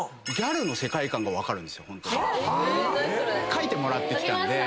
描いてもらってきたんで。